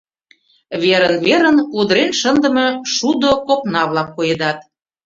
Верын-верын удырен шындыме шудо копна-влак коедат.